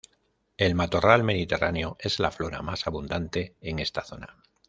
El matorral mediterráneo es la flora más abundante en esta zona.